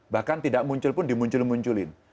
bahkan tidak muncul pun dimuncul munculin